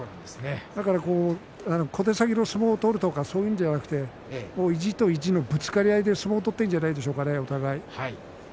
だから、小手先の相撲を取るとかそういうのじゃなくて意地と意地のぶつかり合いで相撲を取っているんじゃないでしょうかね、お互い。